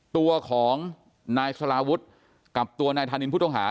ตัวของนายสลาวุฒิกับตัวนายธานินผู้ต้องหา